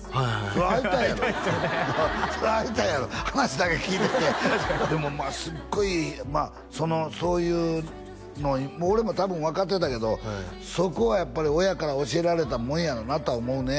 そりゃ会いたいやろ話だけ聞いててでもまあすごいそういうの俺も多分分かってたけどそこはやっぱり親から教えられたもんやろなとは思うね